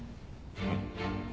うん。